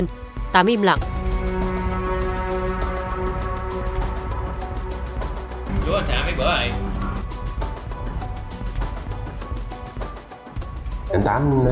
như vậy anh tám chưa